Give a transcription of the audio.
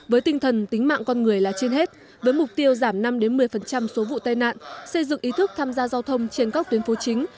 với tinh thần tính mạng con người là trên hết với mục tiêu giảm năm một mươi số vụ tai nạn xây dựng ý thức tham gia giao thông trên các tuyến phố chính